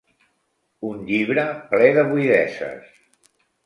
Un llibre ple de buideses.